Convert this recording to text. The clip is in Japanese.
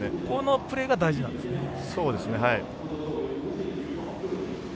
このプレーが大事なんですね。